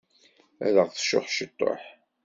Ad aɣ-tcuḥ ciṭuḥ.